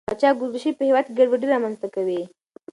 پاچا ګردشي په هېواد کې ګډوډي رامنځته کوي.